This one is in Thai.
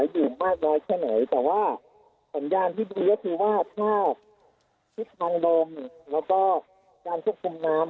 ดื่มมากน้อยแค่ไหนแต่ว่าสัญญาณที่ดีก็คือว่าถ้าทิศทางลมแล้วก็การควบคุมน้ำ